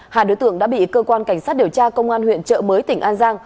hai đối tượng đã bị cơ quan cảnh sát điều tra công an huyện trợ mới tỉnh an giang